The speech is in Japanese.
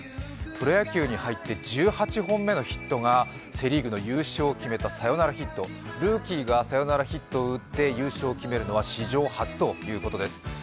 プロ野球に入って１８本目のヒットがセ・リーグの優勝を決めたサヨナラヒット、ルーキーがサヨナラヒットを打って優勝を決めるのは史上初ということです。